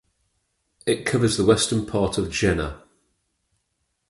It covers the western part of Jena.